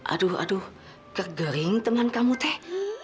aduh aduh kegering teman kamu teh